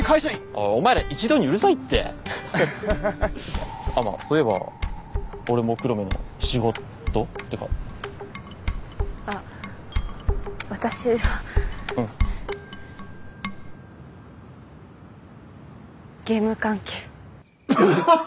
おいお前ら一度にうるさいってあっそう言えば俺も黒目の仕事ってかあっ私はうんゲーム関係ブッ！